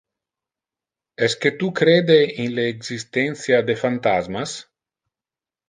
Esque tu crede in le existentia de phantasmas?